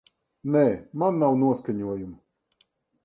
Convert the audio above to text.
Nē, man nav noskaņojuma.